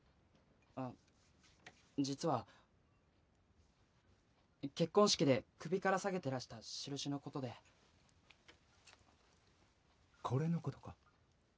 ああ実は結婚式で首から下げていらした印のことでこれのことか？